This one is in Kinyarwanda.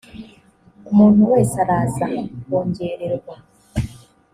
umuntu wese araza kongererwa.